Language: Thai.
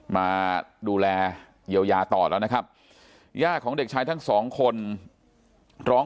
มาดูแลเยียวยาต่อแล้วนะครับย่าของเด็กชายทั้งสองคนร้อง